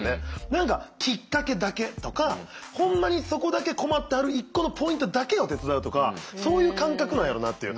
何かきっかけだけとかほんまにそこだけ困ってはる一個のポイントだけを手伝うとかそういう感覚なんやろうなっていう。